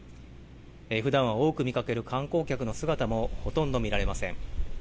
ふだんは多く見かける観光客の姿もほとんど見られません。